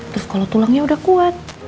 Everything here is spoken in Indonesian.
terus kalau tulangnya udah kuat